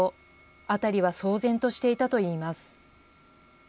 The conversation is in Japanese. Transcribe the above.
辺りは騒然としていたといいます。